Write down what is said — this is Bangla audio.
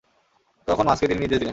তখন মাছকে তিনি নির্দেশ দিলেন।